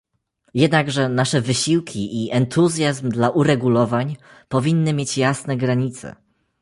Jednakże nasze wysiłki i entuzjazm dla uregulowań powinny mieć jasne granice